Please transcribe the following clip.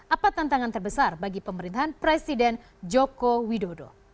apa tantangan terbesar bagi pemerintahan presiden joko widodo